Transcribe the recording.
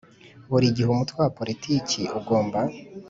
Buri gihe umutwe wa politiki ugomba